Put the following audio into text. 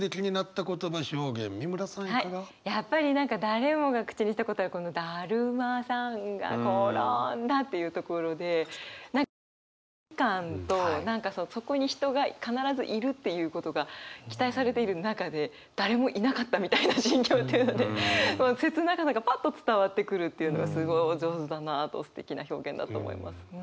やっぱり何か誰もが口にしたことある何かその期待感とそこに人が必ずいるっていうことが期待されている中で誰もいなかったみたいな心境っていうので切なさがパッと伝わってくるっていうのがすごいお上手だなとすてきな表現だと思います。